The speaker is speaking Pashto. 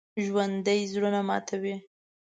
ژوندي زړونه ماتوي